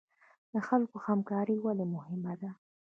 د خلکو همکاري ولې مهمه ده؟